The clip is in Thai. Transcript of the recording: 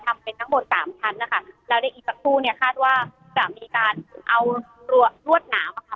ทำเป็นทั้งหมดสามชั้นนะคะแล้วในอีกสักครู่เนี่ยคาดว่าจะมีการเอารวดหนามอะค่ะ